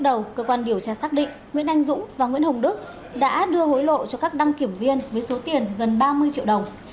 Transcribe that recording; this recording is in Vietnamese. đã đưa hối lộ cho các đăng kiểm viên với số tiền gần ba mươi triệu đồng